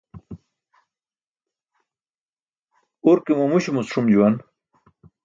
Urke mamuśumucum ṣum juwan.